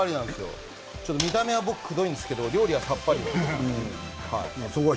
僕、見た目はくどいんですけども味はさっぱりです。